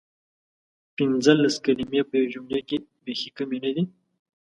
پنځلس کلمې په یوې جملې کې بیخې کمې ندي؟!